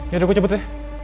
yaudah gua cepet ya